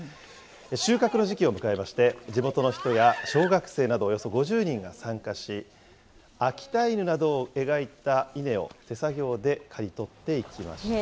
収穫の時期を迎えまして、地元の人や小学生などおよそ５０人が参加し、秋田犬などを描いた稲を手作業で刈り取っていきました。